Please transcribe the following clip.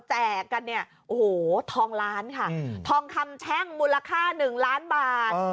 แจกกันเนี่ยโอ้โหทองล้านค่ะทองคำแช่งมูลค่า๑ล้านบาท